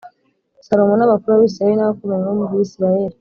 salomo n’abakuru b’abisirayeli n’abakomeye bo mu bisirayeli,